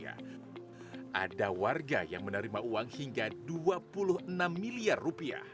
ada warga yang menerima uang hingga dua puluh enam miliar rupiah